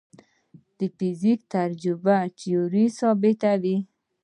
د فزیک تجربې تیوري ثابتوي.